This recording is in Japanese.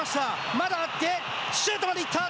まだあって、シュートまでいった。